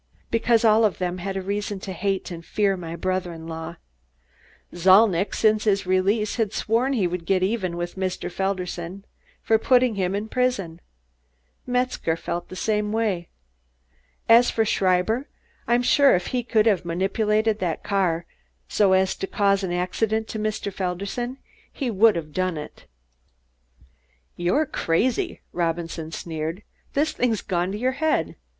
"Because all of them had reason to hate and fear my brother in law. Zalnitch, since his release, has sworn he would get even with Mr. Felderson for putting him in prison. Metzger felt the same way. As for Schreiber, I'm sure if he could have manipulated that car so as to cause an accident to Mr. Felderson, he would have done it." "You're crazy," Robinson sneered. "This thing's gone to your head.